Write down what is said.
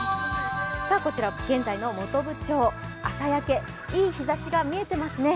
こちら現在の本部町朝焼けいい日ざしが出ていますね。